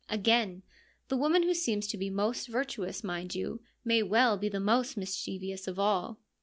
Again, the woman who seems to be most virtuous, mind you, may well be the most mischievous of all.